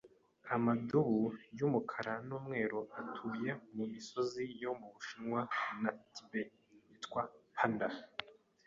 Amadubu yumukara numweru atuye mumisozi yo mubushinwa na Tibet yitwa 'panda'.